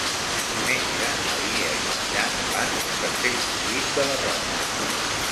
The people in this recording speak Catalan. Diumenge na Lia i en Jan van a Castellfollit de la Roca.